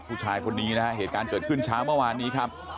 ผู้ชายคนนี้นะฮะเหตุการณ์เกิดขึ้นเช้าเมื่อวานนี้ครับ